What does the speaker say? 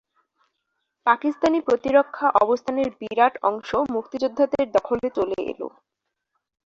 পাকিস্তানি প্রতিরক্ষা অবস্থানের বিরাট অংশ মুক্তিযোদ্ধাদের দখলে চলে এল।